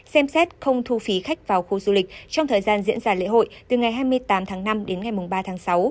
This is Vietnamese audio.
xem xét không thu phí khách vào khu du lịch trong thời gian diễn ra lễ hội từ ngày hai mươi tám tháng năm đến ngày ba tháng sáu